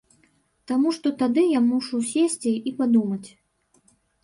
Таму што тады я мушу сесці і падумаць.